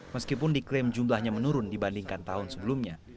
meskipun diklaim jumlahnya menurun dibandingkan tahun sebelumnya